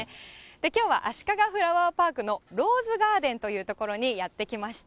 きょうは足利フラワーパークのローズガーデンという所にやって来ました。